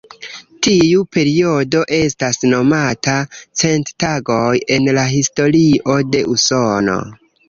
Tiu periodo estas nomata „cent tagoj” en la historio de Usono.